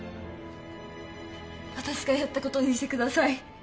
私がやったことにしてください